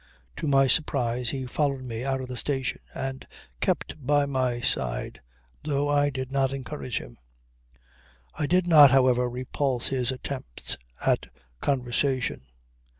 To my surprise he followed me out of the station and kept by my side, though I did not encourage him. I did not however repulse his attempts at conversation.